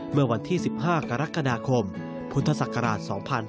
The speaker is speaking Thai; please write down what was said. เมื่อวันที่๑๕กรกฎาคมพุทธศักราช๒๕๕๙